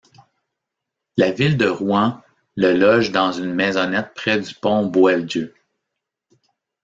La ville de Rouen le loge dans une maisonnette près du pont Boieldieu.